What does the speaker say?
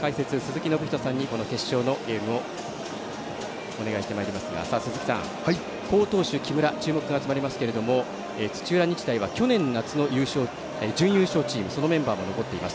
解説、鈴木信人さんにこの決勝のゲームをお願いしてまいりますが鈴木さん、好投手、木村注目が集まりますけれども土浦日大は去年、夏の準優勝チームそのメンバーも残っています。